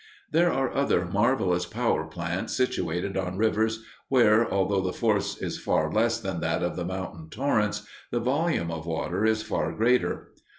There are other marvelous power plants situated on rivers where, although the force is far less than that of the mountain torrents, the volume of water is far greater.